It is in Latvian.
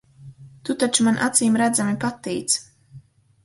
Tu taču man acīmredzami patīc.